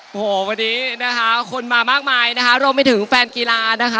โอ้โหวันนี้นะคะคนมามากมายนะคะรวมไปถึงแฟนกีฬานะคะ